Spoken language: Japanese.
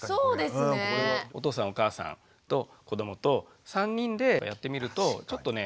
お父さんお母さんと子どもと３人でやってみるとちょっとね